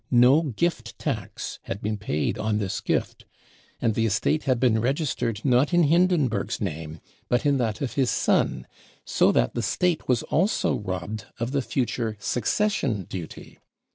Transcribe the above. *No gift tax had been paid on this gift, and the estate had been registered not in Hindenburg 5 s name but in that of his son, so that the State was also robbed of the future succession duty.